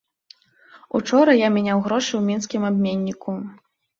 Учора я мяняў грошы ў мінскім абменніку.